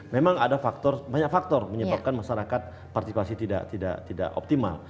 memang ada faktor banyak faktor menyebabkan masyarakat partisipasi tidak optimal